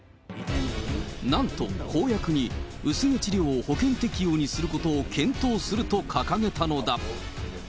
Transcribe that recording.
なんと、公約に薄毛治療を保険適用にすることを検討すると掲げたのだ。